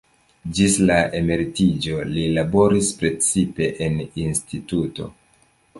Ĝis la emeritiĝo li laboris precipe en instituto.